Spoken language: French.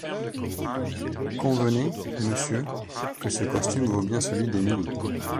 Convenez, messieurs, que ce costume vaut bien celui d'Émilie.